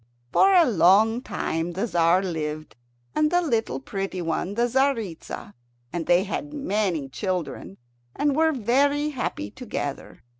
For a long time the Tzar lived, and the little pretty one the Tzaritza, and they had many children, and were very happy together.